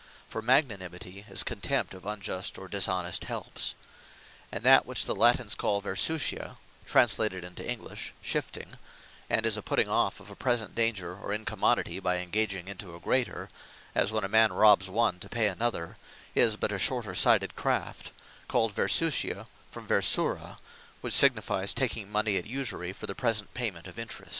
For Magnanimity is contempt of unjust, or dishonest helps. And that which the Latines Call Versutia, (translated into English, Shifting,) and is a putting off of a present danger or incommodity, by engaging into a greater, as when a man robbs one to pay another, is but a shorter sighted Craft, called Versutia, from Versura, which signifies taking mony at usurie, for the present payment of interest.